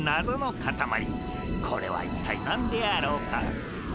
これは一体なんであろうか？